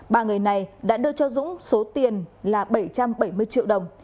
ba người này đã đưa cho dũng số tiền là bảy trăm bảy mươi triệu đồng